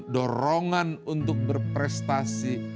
dorongan untuk berprestasi